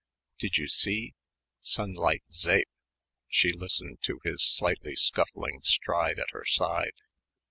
"Did you see? Sunlight Zeep!" She listened to his slightly scuffling stride at her side.